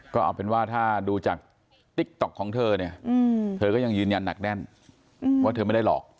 ก็เอาเป็นว่าถ้าดูจากติ๊กต๊อกของเธอเนี่ยเธอก็ยังยืนยันหนักแน่นว่าเธอไม่ได้หลอก